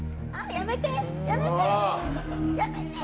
やめて！